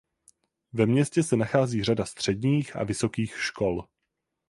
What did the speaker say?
Ve městě se nachází řada středních a vysokých škol.